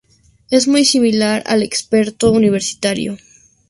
Es muy similar al "Experto Universitario".